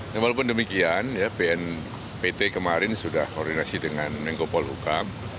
dan walaupun demikian bnpt kemarin sudah koordinasi dengan menkopol hukam